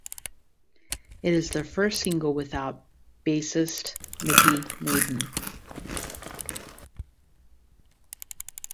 It is their first single without bassist Mickey Madden.